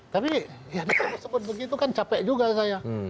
tapi ya disebut begitu kan capek juga saya